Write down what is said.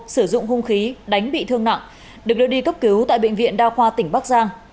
sử dụng hung khí đánh bị thương nặng được đưa đi cấp cứu tại bệnh viện đa khoa tỉnh bắc giang